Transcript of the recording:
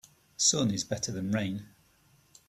Sun is better than rain.